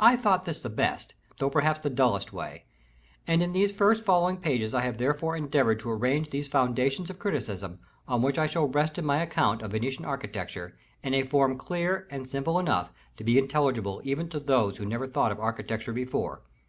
I thought this the best, though perhaps the dullest way; and in these first following pages I have therefore endeavored to arrange those foundations of criticism, on which I shall rest in my account of Venetian architecture, in a form clear and simple enough to be intelligible even to those who never thought of architecture before.